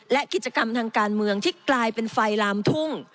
และกิจกรรมทางการเมืองที่กลายเป็นไฟลามทุ่ง